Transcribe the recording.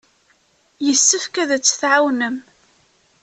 Yessefk ad tt-tɛawnem.